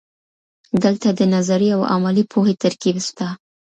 دلته د نظري او عملي پوهې ترکیب سته.